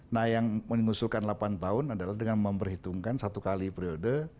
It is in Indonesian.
nah yang mengusulkan delapan tahun adalah dengan memperhitungkan satu kali periode